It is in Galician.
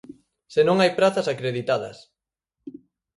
Se non hai prazas acreditadas.